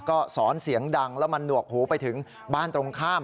ก็สอนเสียงดังแล้วมันหนวกหูไปถึงบ้านตรงข้าม